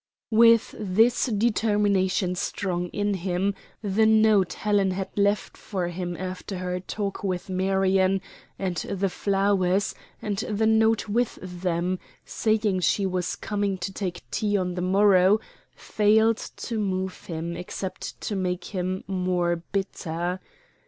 With this determination strong in him, the note Helen had left for him after her talk with Marion, and the flowers, and the note with them, saying she was coming to take tea on the morrow, failed to move him except to make him more bitter.